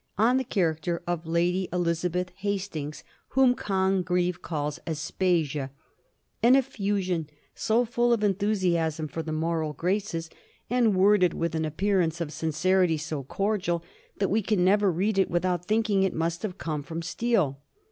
395 on the character of Lady Elizabeth Hastings, whom Congreve calls Aspasia —' an eflFusion so full of enthu siasm for the moral graces, and worded with an appear ance of sincerity so cordial, that we can never read it without thinking it must have come from Steele.'